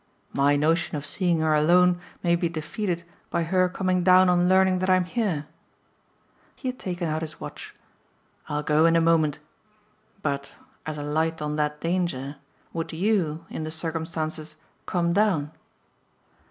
"My notion of seeing her alone may be defeated by her coming down on learning that I'm here?" He had taken out his watch. "I'll go in a moment. But, as a light on that danger, would YOU, in the circumstances, come down?"